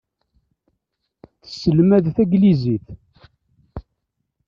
Tesselmad taglizit.